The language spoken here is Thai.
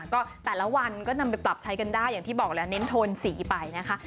ก็แต่ละวันก็นำไปปรับใช้กันได้อย่างที่บอกแล้วเน้นโทนสีไปนะคะ